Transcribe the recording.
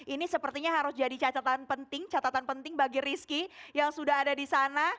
ini sepertinya harus jadi catatan penting catatan penting bagi rizky yang sudah ada di sana